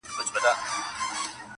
خپل ټبرشو را په یاد جهان مي هیر سو!